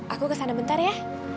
aku ke sana bentar ya